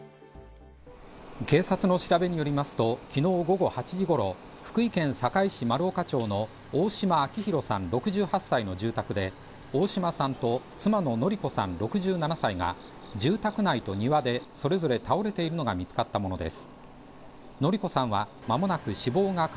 警察の調べによりますと、きのう午後８時ごろ、福井県坂井市丸岡町の大島章弘さん、６８歳の住宅で大島さんと妻の典子さん、６７歳が住宅内と庭でそれぞれ倒れているのが見つかったものです。